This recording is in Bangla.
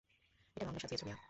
এটা মামলা সাজিয়েছ মিয়া!